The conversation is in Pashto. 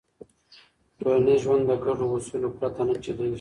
ټولنیز ژوند د ګډو اصولو پرته نه چلېږي.